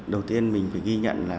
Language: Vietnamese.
đầu tiên mình phải ghi nhận là